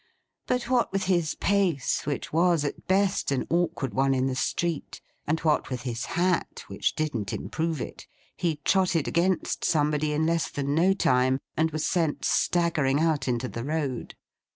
But what with his pace, which was at best an awkward one in the street; and what with his hat, which didn't improve it; he trotted against somebody in less than no time, and was sent staggering out into the road.